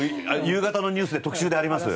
夕方のニュースで特集であります。